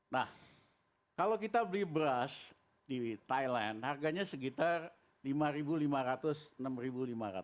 nah kalau kita beli beras di thailand harganya sekitar rp lima lima ratus rp enam lima ratus